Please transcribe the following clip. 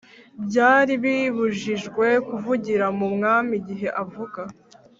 byari bibujijwe kuvugira mu mwami igihe avuga